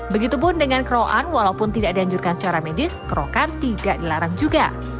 begitupun dengan keroan walaupun tidak dianjurkan secara medis kerokan tidak dilarang juga